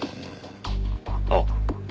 あっ。